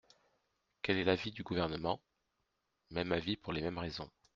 Quel est l’avis du Gouvernement ? Même avis, pour les mêmes raisons.